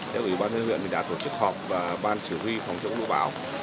theo ủy ban huyện mình đã tổ chức họp và ban chủ huy phòng chống lũ báo